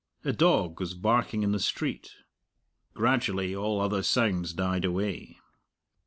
A dog was barking in the street. Gradually all other sounds died away.